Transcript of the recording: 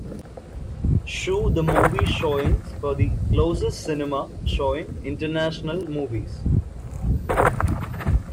Shoe the movie showings for the closest cinema showing international movies